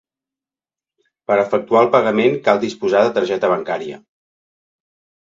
Per efectuar el pagament cal disposar de targeta bancària.